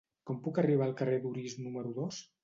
Com puc arribar al carrer d'Orís número dos?